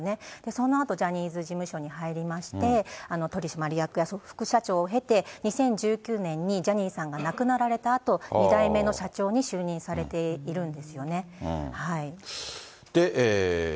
そのあとジャニーズ事務所に入りまして、取締役や副社長を経て、２０１９年にジャニーさんが亡くなられたあと、２代目の社長に就任されているんですよね。